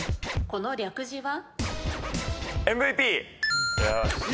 この略字は？